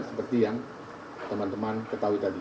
seperti yang teman teman ketahui tadi